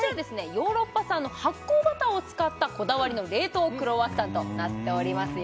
ヨーロッパ産の発酵バターを使ったこだわりの冷凍クロワッサンとなっておりますよ